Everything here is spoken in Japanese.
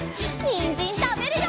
にんじんたべるよ！